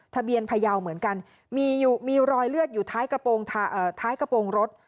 พยาวเหมือนกันมีรอยเลือดอยู่ท้ายกระโปรงรถ